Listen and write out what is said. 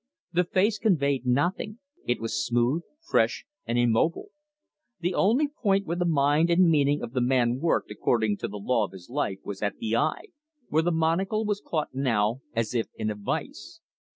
The face conveyed nothing it was smooth, fresh, and immobile. The only point where the mind and meaning of the man worked according to the law of his life was at the eye, where the monocle was caught now as in a vise.